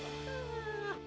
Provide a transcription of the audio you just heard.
pas banget ah